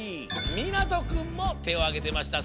みなとくんもてをあげてました。